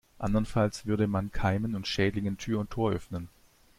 Andernfalls würde man Keimen und Schädlingen Tür und Tor öffnen.